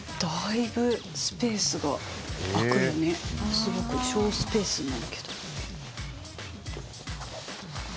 すごく省スペースになるけど。